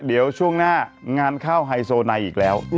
เดี๋ยวช่วงหน้างานเข้าไฮโซไนอีกแล้ว